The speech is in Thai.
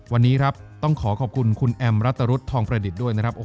วันนี้ครับต้องขอขอบคุณคุณแอมรัตรุธทองประดิษฐ์ด้วยนะครับ